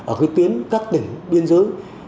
ở các tuyến các tỉnh biên giới